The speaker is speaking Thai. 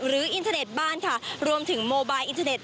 อินเทอร์เน็ตบ้านค่ะรวมถึงโมบายอินเทอร์เน็